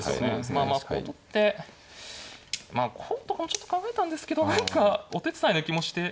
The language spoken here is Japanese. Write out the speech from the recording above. まあまあこう取ってこうとかもちょっと考えたんですけど何かお手伝いな気もして。